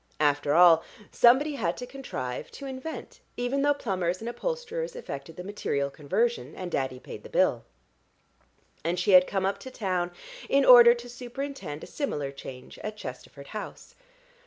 After all somebody had to contrive, to invent, even though plumbers and upholsterers effected the material conversion, and Daddy paid the bill; and she had come up to town in order to superintend a similar change at Chesterford House.